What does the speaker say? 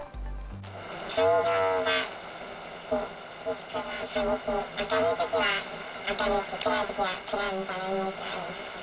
感情の起伏が激しくて、明るいときは明るいし、暗いときは暗いみたいなイメージがあります。